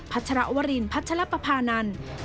พัชลวรินทร์พัชลปภานันทร์